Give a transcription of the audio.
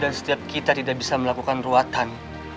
dan setiap kita tidak bisa melakukan ruatan